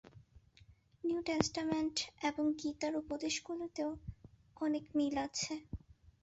New Testament এবং গীতার উপদেশগুলিতেও অনেক মিল আছে।